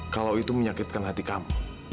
kalau itu menyakitkan hati kamu